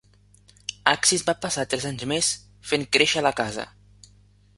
Axis va passar tres anys més, fent créixer la casa